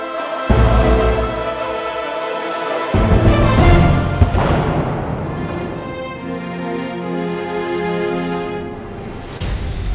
tv yang kita lakukan